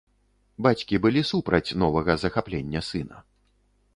Бацькі былі супраць новага захаплення сына.